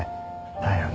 だよね。